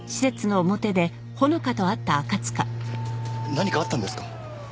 何かあったんですか？